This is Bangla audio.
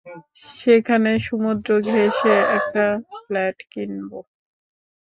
সেখানে সমুদ্র ঘেঁষে একটা ফ্লাট কিনব।